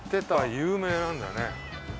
有名なんだね。